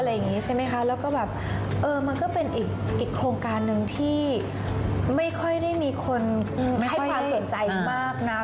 แล้วก็มันก็เป็นอีกโครงการนึงที่ไม่ค่อยได้มีคนให้ความสนใจมากนัก